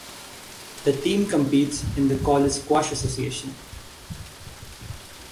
The team competes in the College Squash Association.